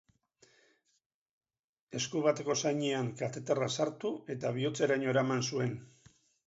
Esku bateko zainean kateterra sartu eta bihotzeraino eraman zuen.